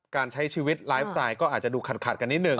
การใช้ชีวิตไลฟ์สไตล์ก็อาจจะดูขัดกันนิดนึ